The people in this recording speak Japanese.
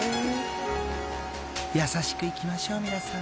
［優しくいきましょう皆さん］